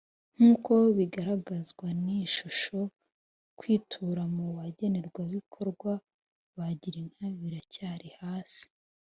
Nk uko bigaragazwa n iyi shusho kwitura mu bagenerwabikorwa ba Girinka biracyari hasi